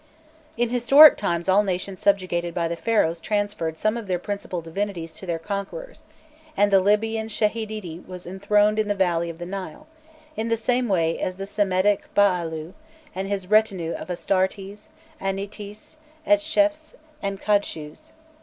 In historic times all nations subjugated by the Pharaohs transferred some of their principal divinities to their conquerors, and the Libyan Shehadidi was enthroned in the valley of the Nile, in the same way as the Semitic Baâlû and his retinue of Astartes, Anitis, Eeshephs, and Kadshûs.